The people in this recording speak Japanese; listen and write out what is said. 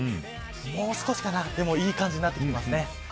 もう少しかなでもいい感じになってきてますね。